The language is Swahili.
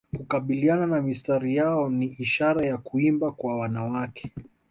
Kukabiliana na mistari yao ni ishara ya kuimba kwa wanawake